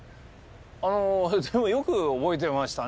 あのでもよく覚えてましたね